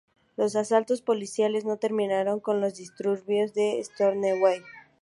Los asaltos policiales no terminaron con los disturbios de Stonewall.